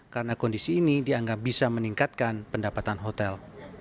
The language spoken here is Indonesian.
karena kondisi ini dianggap bisa meningkatkan pendapatan hotel